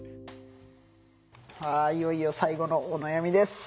いよいよ最後のお悩みです。